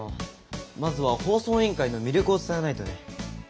まずは放送委員会の魅力を伝えないとね。